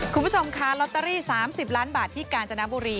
คุณผู้ชมคะลอตเตอรี่๓๐ล้านบาทที่กาญจนบุรี